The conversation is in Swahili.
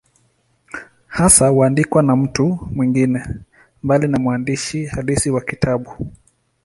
Hasa huandikwa na mtu mwingine, mbali na mwandishi halisi wa kitabu.